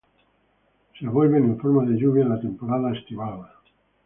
Se vuelven en forma de lluvia en la temporada estival.